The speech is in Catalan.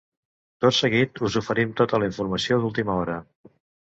Tot seguit us oferim tota la informació d’última hora.